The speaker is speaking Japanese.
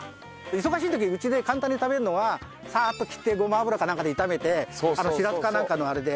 忙しい時うちで簡単に食べるのはサーッと切ってごま油かなんかで炒めてしらすかなんかのあれで。